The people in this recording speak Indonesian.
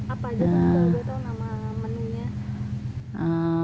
apa aja yang kamu tahu